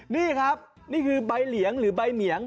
นี่ครับนี่คือใบเหลียงหรือใบเหมียง